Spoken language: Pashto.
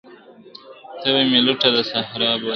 ته به مي لوټه د صحرا بولې !.